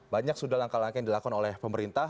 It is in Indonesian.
banyak sudah langkah langkah yang dilakukan oleh pemerintah